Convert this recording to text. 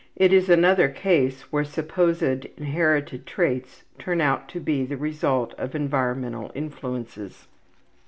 It is another case where supposed inherited traits turn out to be the result of environmental influences.